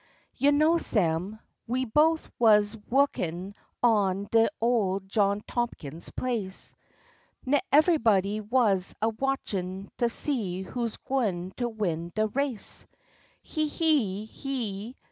You know Sam. We both wuz wukin' on de ole John Tompkin's place. 'N evehbody wuz a watchin' t'see who's gwine to win de race. Hee! hee! hee!